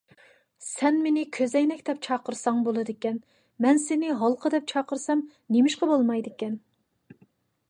سەن مېنى «كۆزەينەك» دەپ چاقىرساڭ بولىدىكەن، مەن سېنى «ھالقا» دەپ چاقىرسام نېمىشقا بولمايدىكەن؟